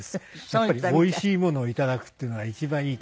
やっぱりおいしいものを頂くっていうのが一番いいと思って。